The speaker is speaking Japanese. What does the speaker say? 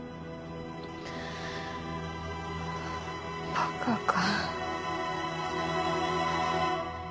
バカか。